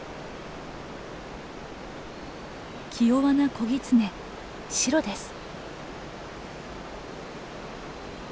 気弱な子ギツネシロです。